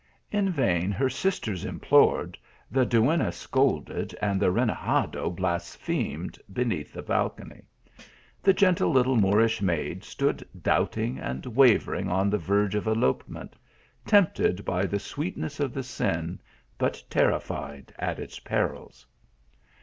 In vain her sisters implored, the duenna scolded, and the renegado blasphemed beneath the balcony. The gentle little Moorish maid stood doubting and wavering on the verge of elopement ; tempted by the sweetness of the sin, but terrified at its perils.